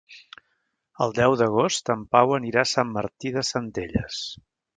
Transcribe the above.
El deu d'agost en Pau anirà a Sant Martí de Centelles.